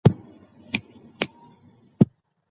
جلګه د افغانستان په طبیعت کې مهم رول لري.